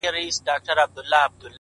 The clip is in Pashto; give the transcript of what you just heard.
اوس دي لا د حسن مرحله راغلې نه ده،